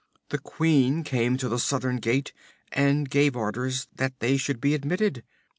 "The queen came to the southern gate and gave orders that they should be admitted.